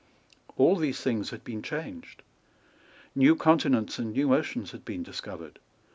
All these things had been changed. New continents and new oceans had been discovered.